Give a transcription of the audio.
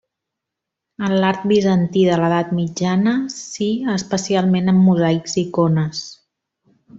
En l'art bizantí de l'edat mitjana si, especialment en mosaics icones.